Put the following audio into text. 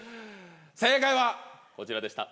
正解はこちらでした。